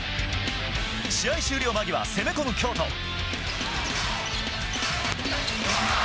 試合終了間際、攻め込む京都。